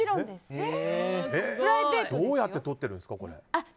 どうやって撮っているんですか？